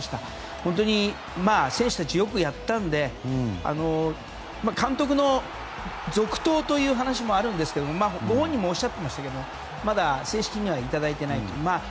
本当に選手たちよくやったんで監督の続投という話もあるんですがご本人もおっしゃってましたがまだ正式にはいただいてないと。